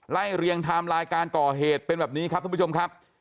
ไล่เรียงทำรายการต่อเหตุเป็นแบบนี้ครับท่านผู้ชมครับ